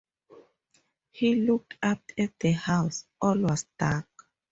He looked up at the house — all was dark.